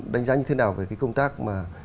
đánh giá như thế nào về cái công tác mà